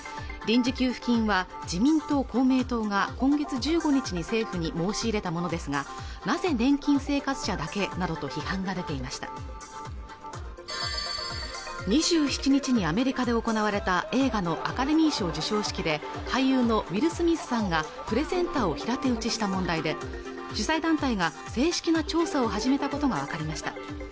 臨時給付金は自民党公明党が今月１５日に政府に申し入れたものですがなぜ年金生活者だけなどと批判が出ていました２７日にアメリカで行われた映画のアカデミー賞授賞式で俳優のウィル・スミスさんがプレゼンターを平手打ちした問題で主催団体が正式な調査を始めたことが分かりました